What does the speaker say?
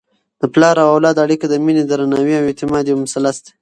د پلار او اولاد اړیکه د مینې، درناوي او اعتماد یو مثلث دی.